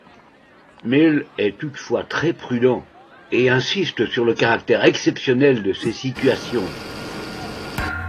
Mill est toutefois très prudent, et insiste sur le caractère exceptionnel de ces situations.